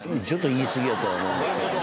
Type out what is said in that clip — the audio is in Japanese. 言い過ぎやとは思うけど。